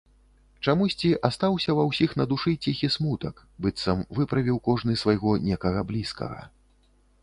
Чамусьці астаўся ва ўсіх на душы ціхі смутак, быццам выправіў кожны свайго некага блізкага.